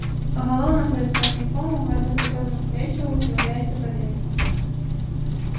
Галоўным прадстаўніком газападобных рэчываў з'яўляецца паветра.